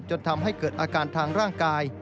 จนทำให้เกิดอาการทางร่างกาย